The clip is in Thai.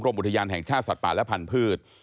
กรมอุทยานแห่งชาติสัตว์ป่าและผันพืช